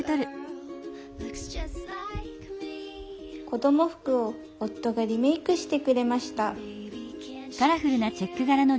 子ども服を夫がリメークしてくれました